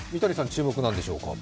注目なんでしょうか？